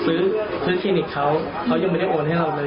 ซื้อคลินิกเขาเขายังไม่ได้โอนให้เราเลย